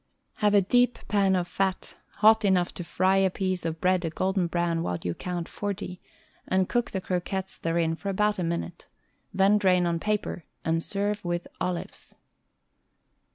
Have a deep pan of fat, hot enough to fry a piecei of bread a golden brown while you count forty, and cook the croquettes therein for about a minute; then drain on paper, and serve with olives.